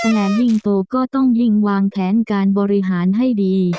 แนนยิ่งโตก็ต้องยิ่งวางแผนการบริหารให้ดี